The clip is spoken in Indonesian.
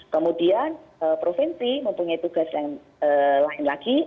kemudian provinsi mempunyai tugas yang lain lagi